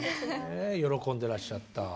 喜んでらっしゃった。